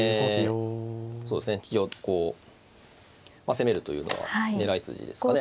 利きをこう攻めるというのは狙い筋ですかね。